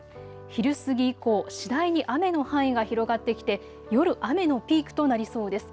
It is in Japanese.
昼過ぎ以降、次第に雨の範囲が広がってきて夜、雨のピークとなりそうです。